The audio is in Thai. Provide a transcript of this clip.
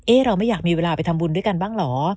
เราไม่อยากมีเวลาไปทำบุญด้วยกันบ้างเหรอ